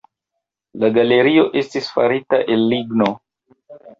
La galerio estis farita el ligno.